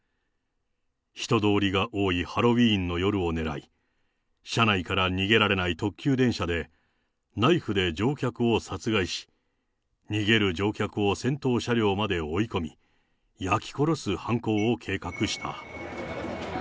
人通りが多いハロウィーンの夜を狙い、車内から逃げられない特急電車で、ナイフで乗客を殺害し、逃げる乗客を先頭車両まで追い込み、焼き殺す犯行を計画した。